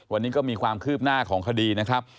วันนี้ก็มีความคืบหน้าของคดีนะครับ